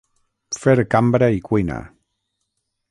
Fer cambra i cuina.